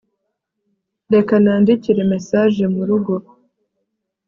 reka nandikire message murugo